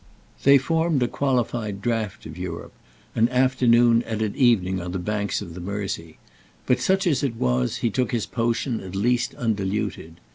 They formed a qualified draught of Europe, an afternoon and an evening on the banks of the Mersey, but such as it was he took his potion at least undiluted.